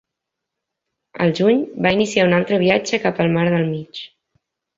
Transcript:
Al juny, va iniciar un altre viatge cap al mar del mig.